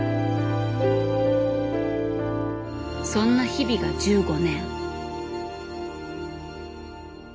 そんな日々が１５年。